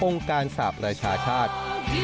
องค์การสาปรัชชาชาติ